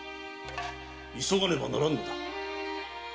急がねばならぬのだ！